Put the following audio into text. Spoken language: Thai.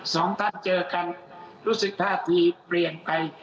สองท่านเจอกันรู้สึกท่าทีเปลี่ยนไป